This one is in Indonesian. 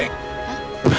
ada resiko pergi